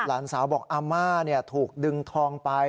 หลานสาวบอกอาม่าถูกดึงทองไป